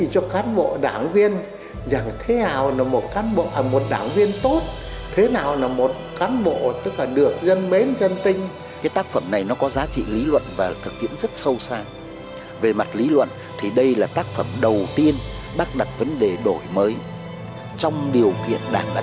hãy đăng ký kênh để ủng hộ kênh của chúng mình nhé